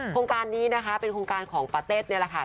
โครงการนี้นะคะเป็นโครงการของปาเต็ดนี่แหละค่ะ